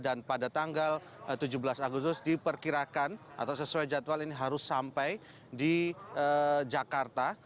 dan pada tanggal tujuh belas agustus diperkirakan atau sesuai jadwal ini harus sampai di jakarta